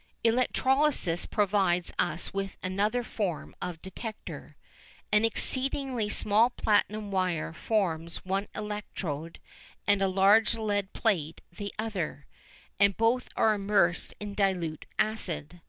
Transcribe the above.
Electrolysis provides us with another form of detector. An exceedingly small platinum wire forms one electrode and a large lead plate the other, and both are immersed in dilute acid.